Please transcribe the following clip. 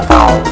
saya lam karbun